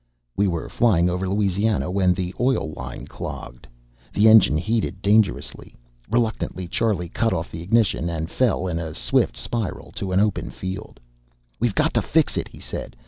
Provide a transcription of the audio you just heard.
We were flying over Louisiana when the oil line clogged. The engine heated dangerously. Reluctantly, Charlie cut off the ignition, and fell in a swift spiral to an open field. "We're got to fix it!" he said.